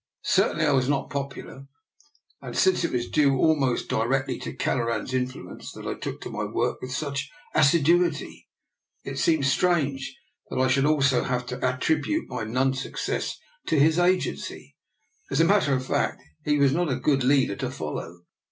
Certainly I was not popular, and, since it was due almost di rectly to Kelleran's influence that I took to my work with such assiduity, it seems strange that I should also have to attribute my non success to his agency. As a matter of fact, he was not a good leader to follow.